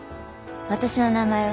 私の名前は？